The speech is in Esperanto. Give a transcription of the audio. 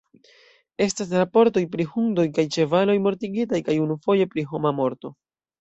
Estas raportoj pri hundoj kaj ĉevaloj mortigitaj kaj unufoje pri homa morto.